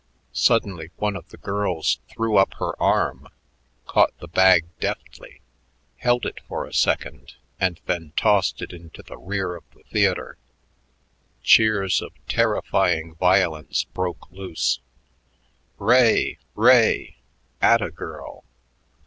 Suddenly one of the girls threw up her arm, caught the bag deftly, held it for a second, and then tossed it into the rear of the theater. Cheers of terrifying violence broke loose: "Ray! Ray! Atta girl!